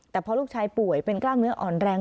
แต่พอลูกชายป่วยเป็นกล้ามเนื้ออ่อนแรง